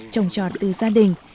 trồng trọt từ gia đình